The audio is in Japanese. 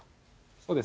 そうです。